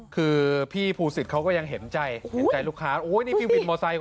คือพี่ภูศิษย์เขาก็ยังเห็นใจหูยลูกค้าอุ้ยนี่พี่วินมอเตอร์ไซค์